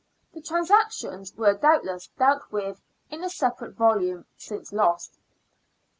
The transactions were doubtless dealt with in a separate volume, since lost.